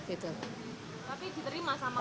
tapi diterima sama orang